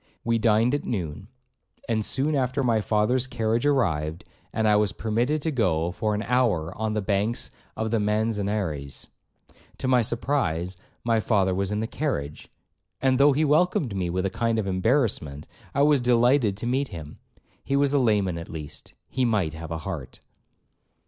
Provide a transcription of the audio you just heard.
We dined at noon; and soon after my father's carriage arrived, and I was permitted to go for an hour on the banks of the Manzanares. To my surprise my father was in the carriage, and though he welcomed me with a kind of embarrassment, I was delighted to meet him. He was a layman at least,—he might have a heart.